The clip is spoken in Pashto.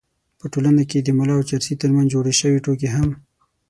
په ټولنه کې د ملا او چرسي تر منځ جوړې شوې ټوکې هم